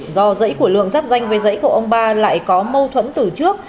do dãy của lượng giáp danh với dãy của ông ba lại có mâu thuẫn từ trước